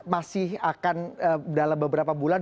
masih akan dalam beberapa bulan